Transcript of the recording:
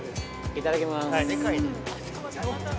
いただきます。